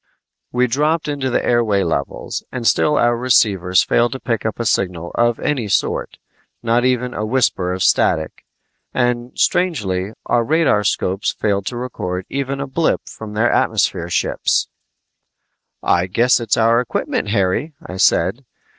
We dropped down into the airway levels, and still our receivers failed to pick up a signal of any sort not even a whisper of static. And strangely, our radarscopes failed to record even a blip from their atmosphere ships! "I guess it's our equipment, Harry," I said.